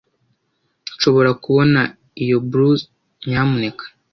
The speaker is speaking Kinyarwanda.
nshobora kubona iyo blouse, nyamuneka